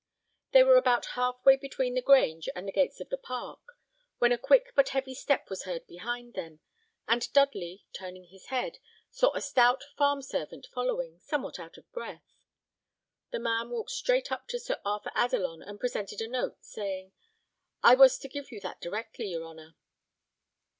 They were about halfway between the Grange and the gates of the park, when a quick but heavy step was heard behind them, and Dudley, turning his head, saw a stout farm servant following, somewhat out of breath. The man walked straight up to Sir Arthur Adelon, and presented a note, saying, "I was to give you that directly, your honour."